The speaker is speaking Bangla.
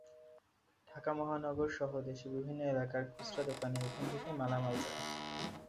ঢাকা মহানগরসহ দেশের বিভিন্ন এলাকার খুচরা দোকানে এখান থেকেই মালামাল যায়।